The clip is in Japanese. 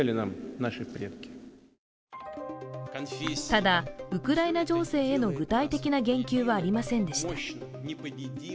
ただ、ウクライナ情勢への具体的な言及はありませんでした。